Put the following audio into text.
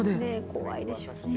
怖いでしょうね。